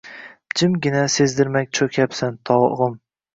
Jimgina, sezdirmay cho‘kyapsan, tog‘im.